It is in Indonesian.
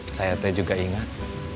saya teh juga ingat